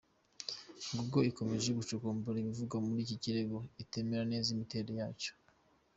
Google ikomeje gucukumbura ibivugwa muri iki kirego itemera neza imiterere yacyo.